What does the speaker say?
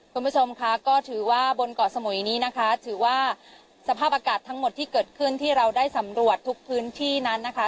คุณผู้ชมค่ะก็ถือว่าบนเกาะสมุยนี้นะคะถือว่าสภาพอากาศทั้งหมดที่เกิดขึ้นที่เราได้สำรวจทุกพื้นที่นั้นนะคะ